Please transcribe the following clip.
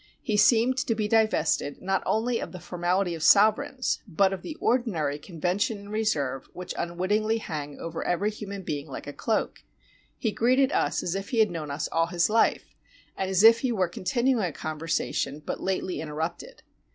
He seemed to be divested not only of the formality of sovereigns, but of the ordinary convention and reserve which unwittingly hang over every human being like a cloak. He greeted us as if he had known us all his life, and as if he were continuing a conversation but lately interrupted.